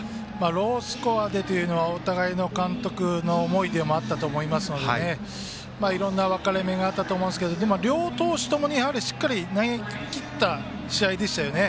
ロースコアでというのはお互いの監督の思いであったと思いますがいろんな分かれ目があったと思いますが両投手共にしっかり投げきった試合でしたよね。